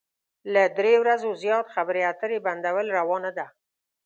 له درې ورځو زيات خبرې اترې بندول روا نه ده.